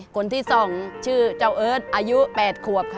คนที่๒ชื่อเจ้าเอิร์ทอายุ๘ขวบค่ะ